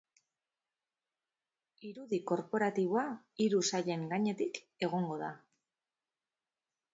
Irudi korporatiboa hiru sailen gainetik egongo da.